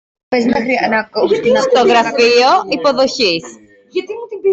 στο γραφείο υποδοχής